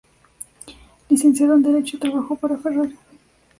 Licenciado en derecho, trabajó para Ferrari.